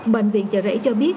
bệnh viện chợ rẫy cho biết